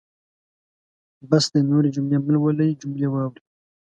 بس دی نورې جملې مهلولئ جملې واورئ.